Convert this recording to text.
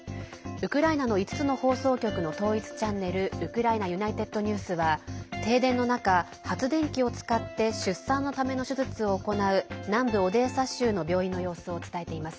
ウクライナの５つの放送局の統一チャンネル「ウクライナＵｎｉｔｅｄＮｅｗｓ」は停電の中、発電機を使って出産のための手術を行う南部オデーサ州の病院の様子を伝えています。